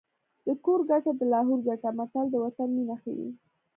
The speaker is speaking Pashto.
د کور ګټه د لاهور ګټه متل د وطن مینه ښيي